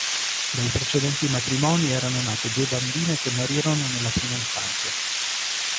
Dai precedenti matrimoni erano nate due bambine che morirono nella prima infanzia.